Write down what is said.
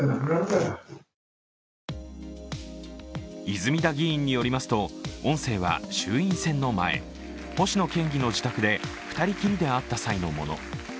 泉田議員によりますと、音声は衆院選の前、星野県議の自宅で２人きりで会った際のもの。